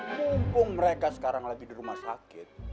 mumpung mereka sekarang lagi di rumah sakit